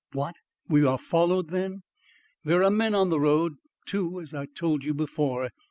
"What? We are followed then?" "There are men on the road; two, as I told you before.